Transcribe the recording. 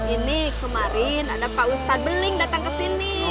ini kemarin ada pak ustadz beling datang kesini